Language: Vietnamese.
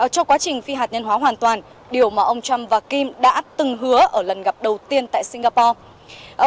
cho quá trình phi hạt nhân hóa hoàn toàn điều mà ông trump và kim đã từng hứa ở lần gặp đầu tiên tại singapore